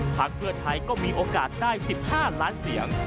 พักเพื่อไทยก็มีโอกาสได้๑๕ล้านเสียง